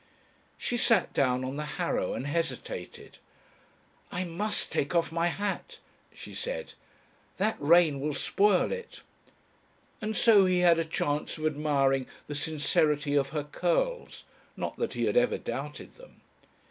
She sat down on the harrow and hesitated. "I must take off my hat," she said, "that rain will spot it," and so he had a chance of admiring the sincerity of her curls not that he had ever doubted them.